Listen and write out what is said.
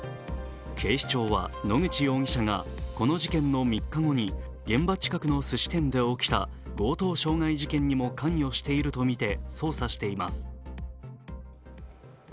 警視庁は、野口容疑者がこの事件の３日後に現場近くのすし店で起きた強盗傷害事件にも関与しているとみて捜査しています。